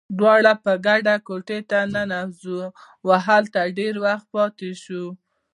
دواړه په ګډه کوټې ته ننوزو، او هلته ډېر وخت پاتې شو.